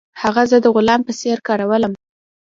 هغه زه د غلام په څیر کارولم.